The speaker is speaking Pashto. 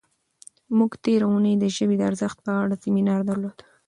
موږ تېره اونۍ د ژبې د ارزښت په اړه سیمینار درلود.